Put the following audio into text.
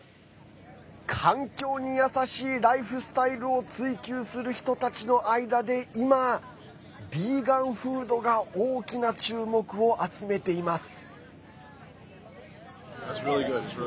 環境に優しいライフスタイルを追求する人たちの間で今、ビーガンフードが大きな注目を集めています。